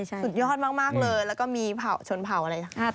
สุดยอดมากเลยแล้วก็มีชนเผ่าอะไร